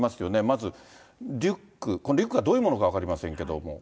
まず、リュック、このリュックがどういうものか分かりませんけれども。